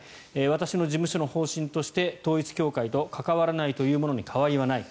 私の事務所の方針として統一教会と関わらないというものに変わりはない。